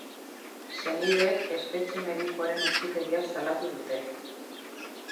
Senideek espetxe medikuaren utzikeria salatu dute.